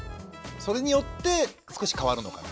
それによって少し変わるのかなと。